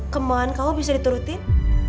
kemauan kamu bisa diturutin